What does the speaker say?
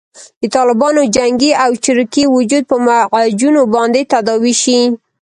د طالبانو جنګي او چریکي وجود په معجونو باندې تداوي شي.